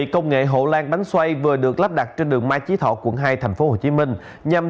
công nghệ hộ lan bánh xoay vừa được lắp đặt trên đường mai chí thọ quận hai tp hcm nhằm